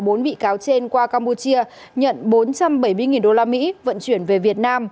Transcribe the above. bốn bị cáo trên qua campuchia nhận bốn trăm bảy mươi đô la mỹ vận chuyển về việt nam